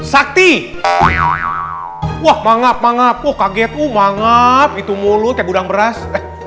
sakti wah manggap manggap kaget